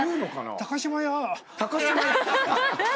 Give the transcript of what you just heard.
「高島屋」